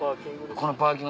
このパーキング。